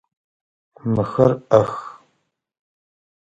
Мыхэр ӏэх.